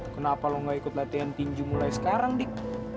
kenapa lo gak ikut latihan tinju mulai sekarang dik